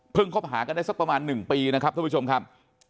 คบหากันได้สักประมาณ๑ปีนะครับท่านผู้ชมครับ